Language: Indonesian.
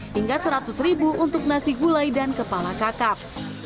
hingga rp seratus untuk nasi gulai dan kepala kakap